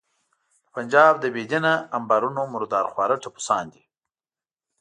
د پنجاب د بې دینه امبارونو مردار خواره ټپوسان دي.